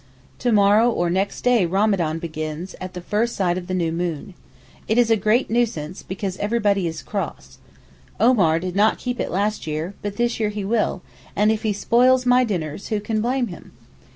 To morrow or next day Ramadan begins at the first sight of the new moon. It is a great nuisance, because everybody is cross. Omar did not keep it last year, but this year he will, and if he spoils my dinners, who can blame him?